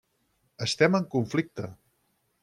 Estem en conflicte.